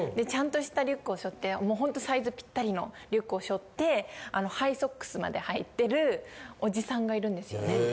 ちゃんとしたリュックをしょって、本当サイズぴったりのリュックをしょって、ハイソックスまではいてるおじさんがいるんですよね。